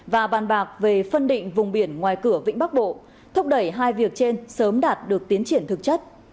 và bàn bạc về phân định vùng biển ngoài cửa vĩnh bắc bộ thúc đẩy hai việc trên sớm đạt được tiến triển thực chất